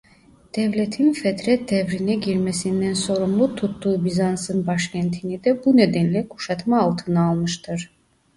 Devletin Fetret Devri'ne girmesinden sorumlu tuttuğu Bizans'ın başkentini de bu nedenle kuşatma altına almıştır.